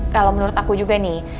kalau menurut aku juga nih